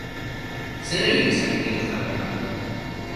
Zer egin dezaket nik euskararen alde?